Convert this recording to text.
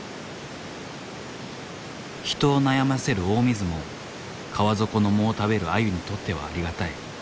人を悩ませる大水も川底の藻を食べるアユにとってはありがたい。